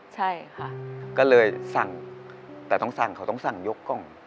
ใช่ค่ะก็เลยสั่งแต่ต้องสั่งเขาต้องสั่งยกกล้อง